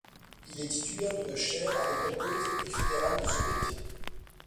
Il est titulaire d'une chaire à l'École polytechnique fédérale de Zurich.